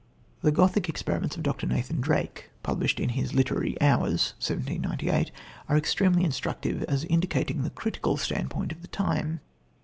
The Gothic experiments of Dr. Nathan Drake, published in his Literary Hours (1798), are extremely instructive as indicating the critical standpoint of the time.